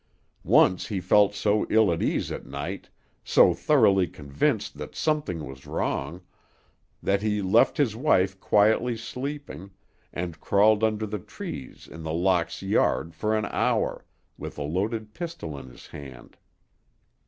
Once he felt so ill at ease at night, so thoroughly convinced that something was wrong, that he left his wife quietly sleeping, and crawled under the trees in The Locks' yard for an hour, with a loaded pistol in his hand.